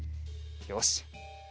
よし。